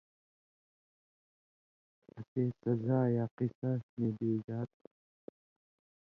اسے سزا یا قِصاص نی دیُوژا تھی۔